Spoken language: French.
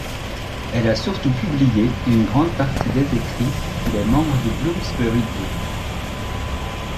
Elle a surtout publié une grande partie des écrits des membres du Bloomsbury Group.